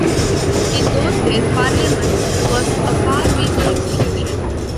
In those days, Parliament was a far weaker institution.